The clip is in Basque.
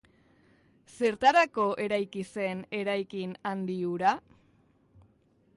Zertarako eraiki zen eraikin handi hura?